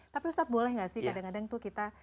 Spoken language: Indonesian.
tapi ustadz boleh gak sih kadang kadang tuh kita